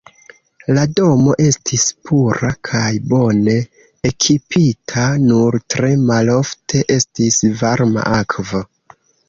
La domo estis pura kaj bone ekipita, nur tre malofte estis varma akvo.